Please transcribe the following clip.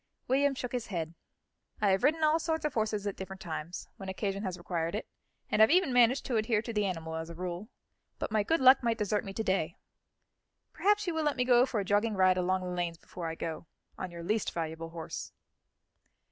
William shook his head. "I have ridden all sorts of horses at different times, when occasion has required it, and have even managed to adhere to the animal as a rule; but my good luck might desert me to day. Perhaps you will let me go for a jogging ride along the lanes before I go, on your least valuable horse."